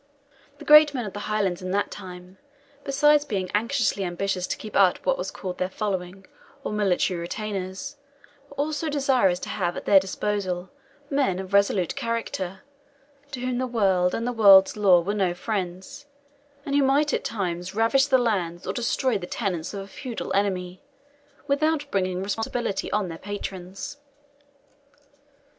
The great men of the Highlands in that time, besides being anxiously ambitious to keep up what was called their Following, or military retainers, were also desirous to have at their disposal men of resolute character, to whom the world and the world's law were no friends, and who might at times ravage the lands or destroy the tenants of a feudal enemy, without bringing responsibility on their patrons.